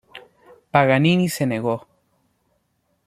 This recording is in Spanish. Paganini se negó.